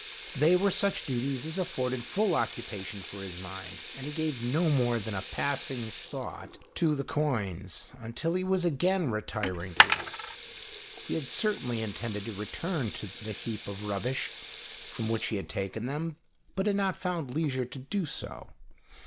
They were such duties as afforded full occupation for his mind, and he gave no more than a passing thought to the 75 GHOST TALES. coins, until he was again retiring to rest. He had certainly intended to return to the heap of rubbish from which he had taken them, but had not found leisure to do so.